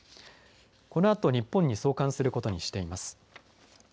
このあと日本に送還することにしています。